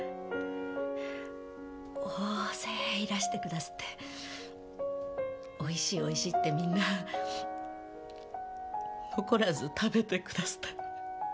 大勢いらしてくだすっておいしいおいしいってみんな残らず食べてくだすった。